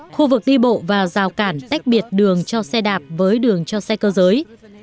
khu vực đi bộ và rào cản tách biệt đường cho xe đạp với đường cho xe cơ giới